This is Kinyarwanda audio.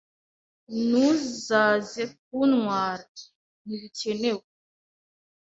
Ntuzaze kuntwara. Ntibikenewe